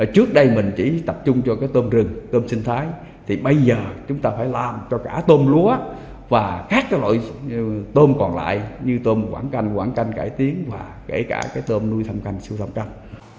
trước đây mình chỉ tập trung cho cái tôm rừng tôm sinh thái thì bây giờ chúng ta phải làm cho cả tôm lúa và các loại tôm còn lại như tôm quảng canh quảng canh cải tiến và kể cả cái tôm nuôi thâm canh siêu thâm canh